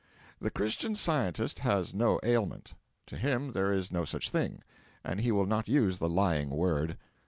The Christian Scientist has no ailment; to him there is no such thing, and he will not use the lying word.